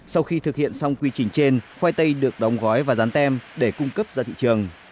sau khi thực hiện xong quy trình trên khoai tây được đóng gói và dán tem để cung cấp ra thị trường